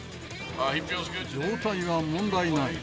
状態は問題ない。